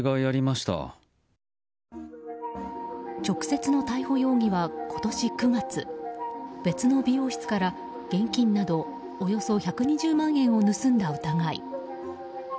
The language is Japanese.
直接の逮捕容疑は今年９月別の美容室から現金などおよそ１２０万円を盗んだ疑い。